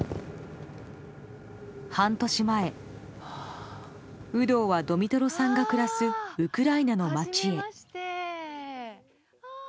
半年前、有働はドミトロさんが暮らすウクライナの街へ。